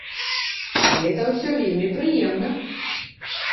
Гэта ўсё вельмі прыемна.